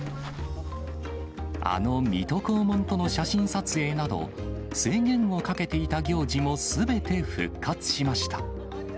あの水戸黄門との写真撮影など、制限をかけていた行事も、すべて復活しました。